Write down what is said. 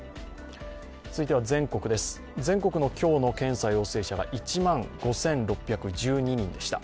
続いては全国の今日の検査陽性者が１万５６１２人でした。